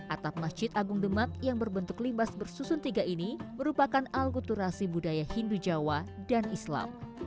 atap masjid agung demak yang berbentuk limbas bersusun tiga ini merupakan alkuturasi budaya hindu jawa dan islam